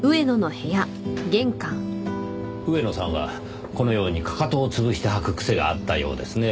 上野さんはこのようにかかとを潰して履く癖があったようですね。